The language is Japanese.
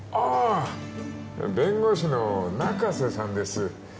あ弁護士の中瀬さんです